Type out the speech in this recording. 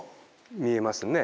見えますね。